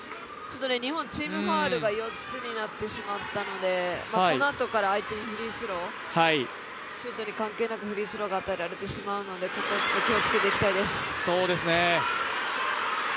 日本、チームファウルが４つになってしまったのでこのあとから相手にフリースローシュートに関係なくフリースローが与えられてしまうのでここは気をつけていきたいです。